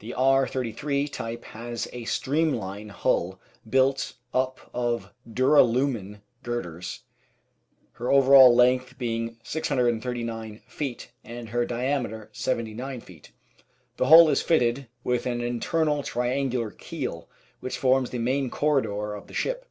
The R. 33 type has a streamline hull built up of duralumin girders, her overall length being 639 feet and her diameter 79 feet. The hull is fitted with an internal triangular keel which forms the main corridor of the ship.